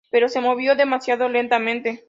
Pero se movió demasiado lentamente.